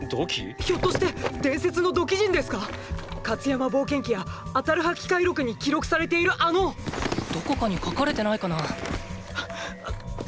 ひょっとして伝説の土器人ですか⁉カツヤマ冒険記やアタルハ奇界録に記録されているあの⁉どこかに書かれてないかな。